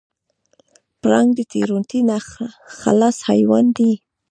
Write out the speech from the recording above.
پړانګ د تېروتنې نه خلاص حیوان دی.